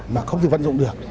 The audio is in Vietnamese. mà không được vận dụng được